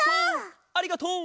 ありがとう！